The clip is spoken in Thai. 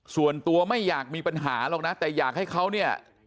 ส่วนตัวไม่อยากมีปัญหาหรอกนะแต่อยากให้เขาเนี่ย